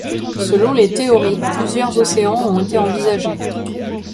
Selon les théories, plusieurs océans ont été envisagés.